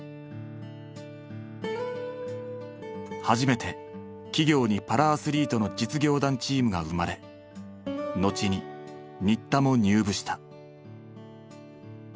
初めて企業にパラアスリートの実業団チームが生まれ後に新田も入部した。